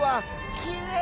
きれい！